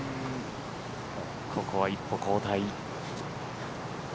ここは一歩後退。